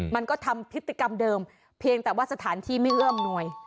มันก็ทำพฤติกรรมเดิมเพียงแต่ว่าสถานที่ไม่เอื้อมหน่วย